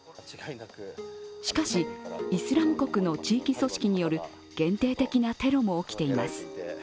しかしイスラム国の地域組織による限定的なテロも起きています。